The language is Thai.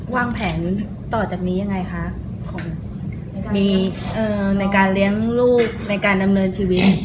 วางแผนต่อจากนี้ยังไงคะในการเลี้ยงลูกในการดำเนินชีวิต